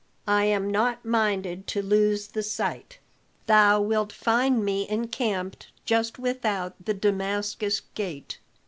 I am not minded to lose the sight. Thou wilt find me encamped just without the Damascus Gate."